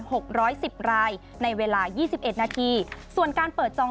หกร้อยสิบรายในเวลายี่สิบเอ็ดนาทีส่วนการเปิดจอง